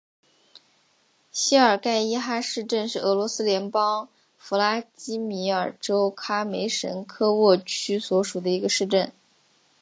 谢尔盖伊哈市镇是俄罗斯联邦弗拉基米尔州卡梅什科沃区所属的一个市镇。